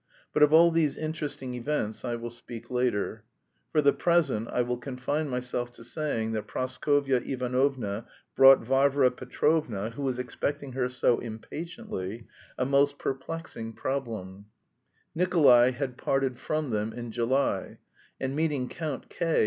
But of all these interesting events I will speak later. For the present I will confine myself to saying that Praskovya Ivanovna brought Varvara Petrovna, who was expecting her so impatiently, a most perplexing problem: Nikolay had parted from them in July, and, meeting Count K.